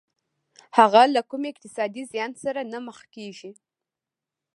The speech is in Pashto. هغه له کوم اقتصادي زيان سره نه مخ کېږي.